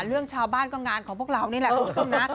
เรื่องชาวบ้านก็งานของพวกเรานี่แหละคุณผู้ชมนะ